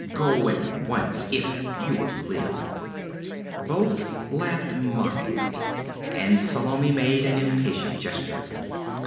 Go at once, if you would live.' Both laughed mockingly, and Salome made an impatient gesture.